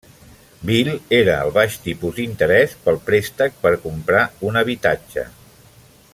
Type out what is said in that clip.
Bill era el baix tipus d'interès pel préstec per comprar un habitatge.